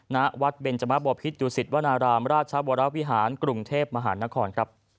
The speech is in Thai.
ณวัดเบนจมะบอพิษดุสิตวนารามราชวรวิหารกรุงเทพมหานครครับ